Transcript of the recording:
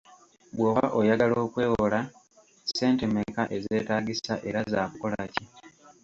Bw’oba oyagala okwewola, ssente mmeka ezeetaagisa era zakukola ki?